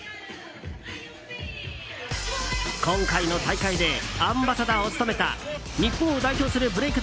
今回の大会でアンバサダーを務めた日本を代表するブレイク